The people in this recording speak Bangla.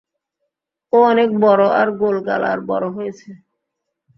ও অনেক বড় আর গোলগাল আর বড় হয়েছে।